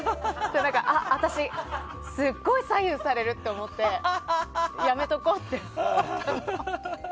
私、すごい左右されると思ってやめておこうって。